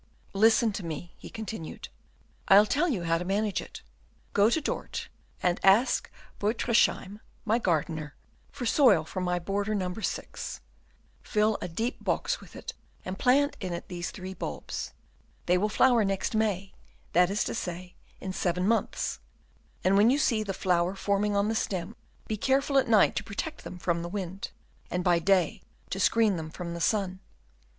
"Listen to me," he continued: "I'll tell you how to manage it. Go to Dort and ask Butruysheim, my gardener, for soil from my border number six, fill a deep box with it, and plant in it these three bulbs. They will flower next May, that is to say, in seven months; and, when you see the flower forming on the stem, be careful at night to protect them from the wind, and by day to screen them from the sun.